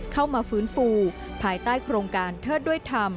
เข้ามาฟื้นฟูภายใต้โครงการเทิดด้วยธรรม